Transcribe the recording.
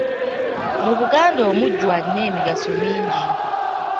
Mu Buganda Omujjwa alina emigaso mingi.